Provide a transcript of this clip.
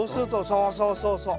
そうそうそうそう。